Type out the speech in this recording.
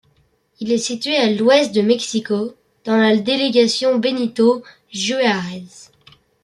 Il est situé à l'ouest de Mexico, dans la délégation Benito Juárez.